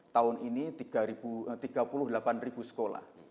tahun ini tiga puluh delapan sekolah